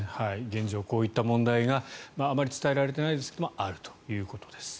現状、こういった問題があまり伝えられていないですがあるということです。